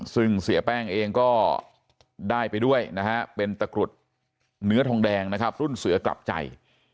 ซึ่งเสียแป้งเองก็ได้ไปด้วยนะฮะเป็นตะกรุดเนื้อทองแดงนะครับรุ่นเสือกลับใจ